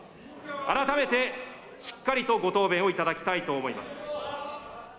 改めてしっかりとご答弁をいただきたいと思います。